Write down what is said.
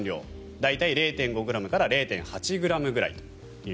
大体０．５ｇから０．８ｇぐらい。